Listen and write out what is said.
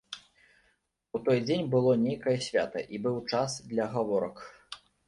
У той дзень было нейкае свята, і быў час для гаворак.